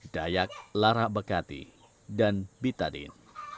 dayak larabekati dan bitadin